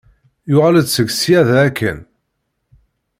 Yuɣal-d seg ssyada akken.